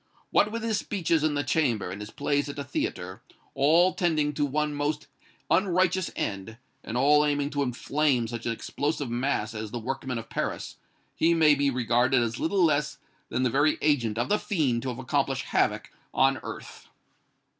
What with his speeches in the Chamber and his plays at the theatre, all tending to one most unrighteous end, and all aiming to inflame such an explosive mass as the workmen of Paris, he may be regarded as little less than the very agent of the fiend to accomplish havoc on earth!"